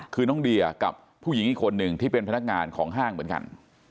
คือน้องเดียกับผู้หญิงอีกคนหนึ่งที่เป็นพนักงานของห้างเหมือนกัน